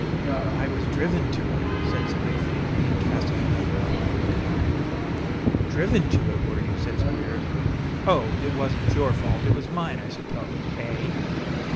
"I was driven to it," said Smike, faintly; and casting another imploring look about him. "Driven to it, were you?" said Squeers. "Oh! it wasn't your fault; it was mine, I suppose eh?"